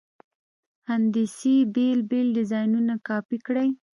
هندسي بېل بېل ډیزاینونه کاپي کړئ.